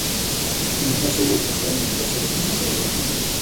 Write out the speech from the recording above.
El motor se iba a utilizar en el coche denominado "Dolphin".